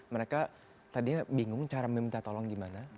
mereka tadinya bingung cara meminta tolong gimana